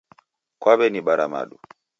Kwaw'enibara madu